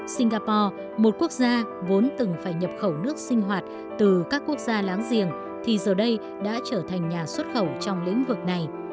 singapore một quốc gia vốn từng phải nhập khẩu nước sinh hoạt từ các quốc gia láng giềng thì giờ đây đã trở thành nhà xuất khẩu trong lĩnh vực này